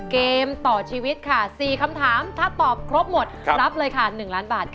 เกมต่อชีวิตค่ะ๔คำถามถ้าตอบครบหมดรับเลยค่ะ๑ล้านบาทค่ะ